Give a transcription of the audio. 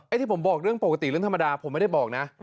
ที่ผมบอกเรื่องปกติเรื่องธรรมดาผมไม่ได้บอกนะ